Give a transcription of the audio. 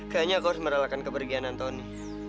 kayaknya aku harus merah lakan kepergian antoni